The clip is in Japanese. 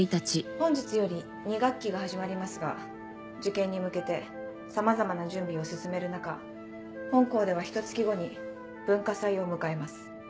本日より２学期が始まりますが受験に向けてさまざまな準備を進める中本校ではひと月後に文化祭を迎えます。